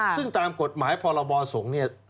ซึ่งตามกฎหมายพรบสงฆ์เนี่ย